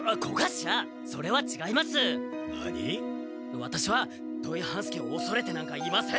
ワタシは土井半助をおそれてなんかいません！